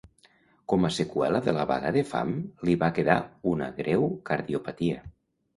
Com a seqüela de la vaga de fam, li va quedar una greu cardiopatia.